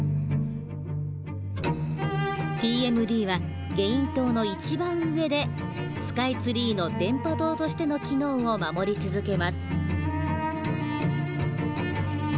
ＴＭＤはゲイン塔の一番上でスカイツリーの電波塔としての機能を守り続けます。